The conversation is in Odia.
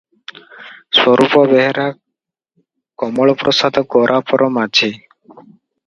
ସ୍ୱରୂପ ବେହେରା କମଳପ୍ରସାଦ ଗୋରାପର ମାଝି ।